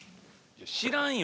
知らんよ！